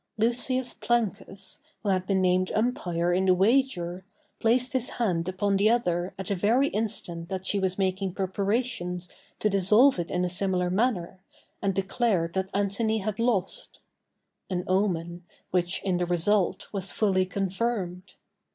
Lucius Plancus, who had been named umpire in the wager, placed his hand upon the other at the very instant that she was making preparations to dissolve it in a similar manner, and declared that Antony had lost—an omen, which, in the result, was fully confirmed.